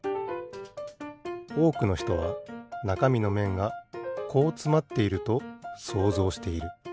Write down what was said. おおくのひとはなかみのめんがこうつまっていると想像している。